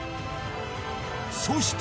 そして